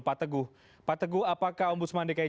pak teguh pak teguh apakah om budsman dki